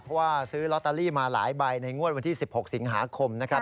เพราะว่าซื้อลอตเตอรี่มาหลายใบในงวดวันที่๑๖สิงหาคมนะครับ